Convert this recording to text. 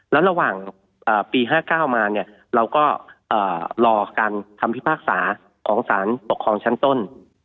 แล้วระหว่างปี๕๙มาเนี่ยเราก็รอการคำพิพากษาของสารปกครองชั้นต้น